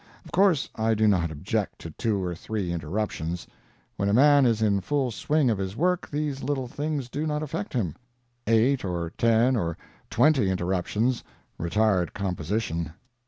Of course, I do not object[Pg 180] to two or three interruptions. When a man is in the full swing of his work these little things do not affect him. Eight or ten or twenty interruptions retard composition."